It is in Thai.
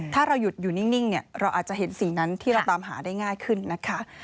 ถ้าเราหยุดอยู่นิ่งเนี่ยเราอาจจะเห็นสิ่งนั้นที่เราตามหาได้ง่ายขึ้นนะคะ